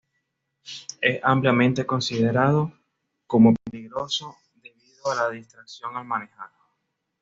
Es ampliamente considerado como peligroso debido a la distracción al manejar.